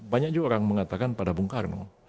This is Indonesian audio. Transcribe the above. banyak juga orang mengatakan pada bung karno